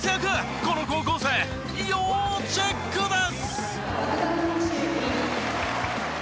この高校生要チェックです！